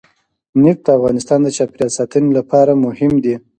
نفت د افغانستان د چاپیریال ساتنې لپاره مهم دي.